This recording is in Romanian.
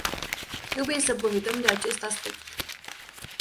Trebuie să profităm de acest aspect.